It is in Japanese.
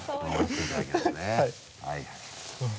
はい。